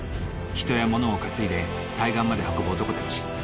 人や物を担いで対岸まで運ぶ男たち。